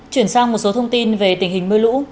chuyển sang một số thông tin về tình hình mưa lũ